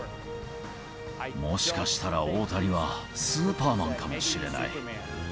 もしかしたら大谷はスーパーマンかもしれない。